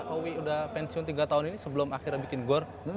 owi udah pensiun tiga tahun ini sebelum akhirnya bikin gor